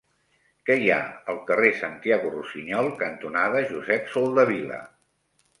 Què hi ha al carrer Santiago Rusiñol cantonada Josep Soldevila?